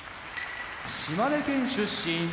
島根県出身